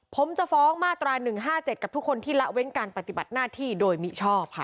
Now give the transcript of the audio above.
ผมจะฟ้องมาตรา๑๕๗กับทุกคนที่ละเว้นการปฏิบัติหน้าที่โดยมิชอบค่ะ